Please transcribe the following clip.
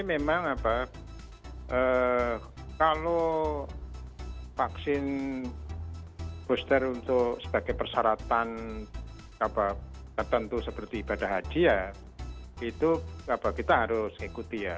ya jadi memang apa kalau vaksin booster untuk sebagai persyaratan apa tertentu seperti ibadah hadiah itu apa kita harus ikuti ya